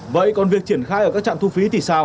vậy còn việc triển khai ở các trạm thu phí thì sao